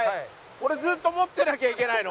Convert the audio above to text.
俺ずっと持ってなきゃいけないの？